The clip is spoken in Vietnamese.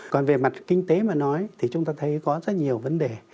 còn về mặt kinh tế mà nói thì chúng ta thấy có rất nhiều vấn đề